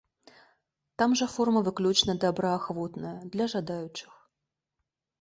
Там жа форма выключна добраахвотная, для жадаючых.